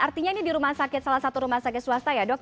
artinya ini di rumah sakit salah satu rumah sakit swasta ya dok